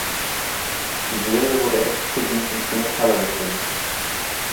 Die Serie wurde exklusiv in Cinecolor gefilmt.